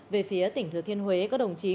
về phía tỉnh thừa thiên huế các đồng chí